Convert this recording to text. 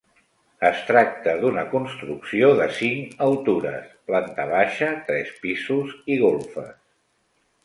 Es tracta d'una construcció de cinc altures, planta baixa, tres pisos i golfes.